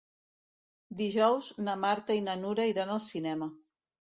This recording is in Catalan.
Dijous na Marta i na Nura iran al cinema.